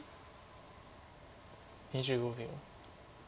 ２５秒。